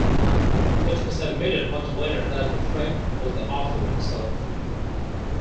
It was admitted much later that the "friend" was the author himself.